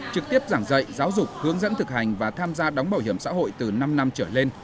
trực tiếp giảng dạy giáo dục hướng dẫn thực hành và tham gia đóng bảo hiểm xã hội từ năm năm trở lên